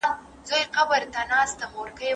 که ته هڅه وکړې نو په شپږو میاشتو کي ژبه زده کولای سې.